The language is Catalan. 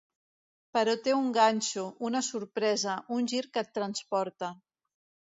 Però té un ganxo, una sorpresa, un gir que et transporta.